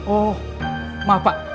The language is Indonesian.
oh maaf pak